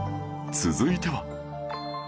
続いては